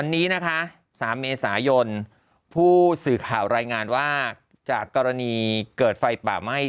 วันนี้นะคะ๓เมษายนผู้สื่อข่าวรายงานว่าจากกรณีเกิดไฟป่าไหม้